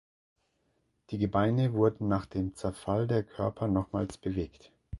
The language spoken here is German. Die Gebeine wurden nach dem Zerfall der Körper nochmals bewegt.